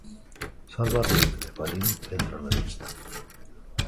Salva Ruiz e Valin entran na lista.